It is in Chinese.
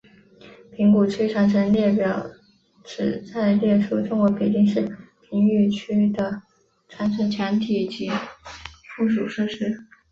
平谷区长城列表旨在列出中国北京市平谷区的长城墙体及附属设施。